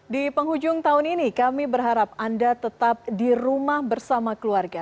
di penghujung tahun ini kami berharap anda tetap di rumah bersama keluarga